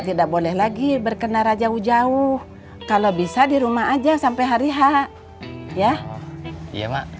tidak boleh lagi berkenara jauh jauh kalau bisa di rumah aja sampai hari h ya mak